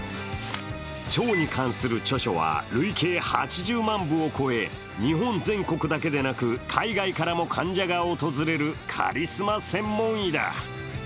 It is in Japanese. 腸に関する著書は累計８０万部を超え日本全国だけでなく、海外からも患者が訪れるカリスマ専門医だ。